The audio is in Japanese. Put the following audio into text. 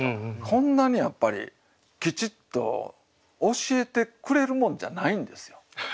こんなにやっぱりきちっと教えてくれるもんじゃないんですよ大体ね。